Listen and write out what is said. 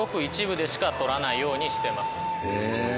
へえ。